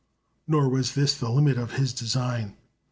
Nor was this the limit of his design.